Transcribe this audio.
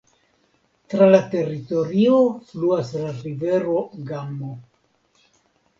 Tra la teritorio fluas la rivero Gamo.